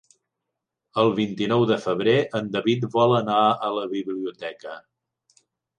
El vint-i-nou de febrer en David vol anar a la biblioteca.